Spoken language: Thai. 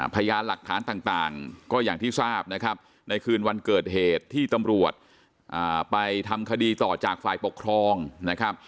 พยานหลักฐานต่างก็อย่างที่ทราบนะครับในคืนวันเกิดเหตุที่ตำรวจไปทำคดีต่อจากฝ่ายปกครองนะครับ